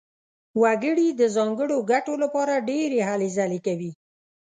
وګړي د ځانګړو ګټو لپاره ډېرې هلې ځلې کوي.